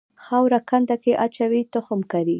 خاوره کنده کې اچوي تخم کري.